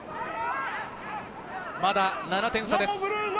まだ７点差です。